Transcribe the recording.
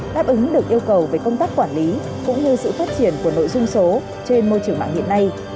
đáp ứng được yêu cầu về công tác quản lý cũng như sự phát triển của nội dung số trên môi trường mạng hiện nay